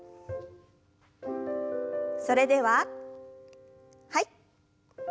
それでははい。